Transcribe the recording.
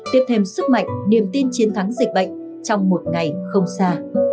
tiếp thêm sức mạnh niềm tin chiến thắng dịch bệnh trong một ngày không xa